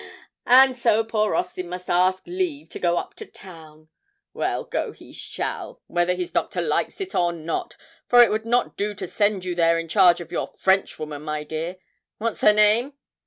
And so poor Austin must ask leave to go up to town. Well, go he shall, whether his doctor likes it or not, for it would not do to send you there in charge of your Frenchwoman, my dear. What's her name?'